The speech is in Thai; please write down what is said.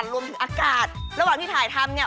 รวมถึงอากาศระหว่างที่ถ่ายทำเนี่ย